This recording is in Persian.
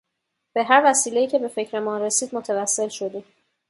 به هر وسیلهای که به فکرمان رسید متوصل شدیم.